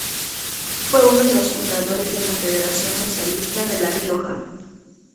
Fue uno de los fundadores de la Federación Socialista de La Rioja.